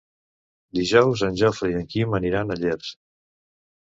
Dijous en Jofre i en Quim aniran a Llers.